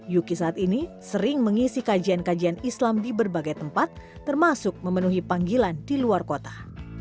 yuki saat ini sering mengisi kajian kajian islam di berbagai tempat termasuk memenuhi panggilan di luar kota